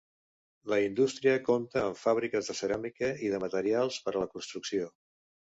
La indústria compta amb fàbriques de ceràmica i de materials per a la construcció.